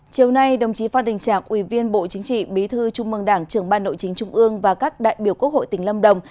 chiều nay đồng chí phan đình trạc ủy viên bộ chính trị bí thư trung mương đảng trưởng ban nội chính trung ương và các đại biểu quốc hội tỉnh lâm đồng